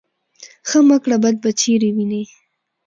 ـ ښه مه کړه بد به چېرې وينې.